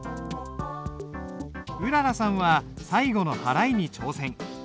うららさんは最後の払いに挑戦。